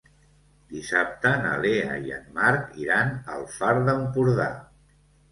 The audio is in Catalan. Dissabte na Lea i en Marc iran al Far d'Empordà.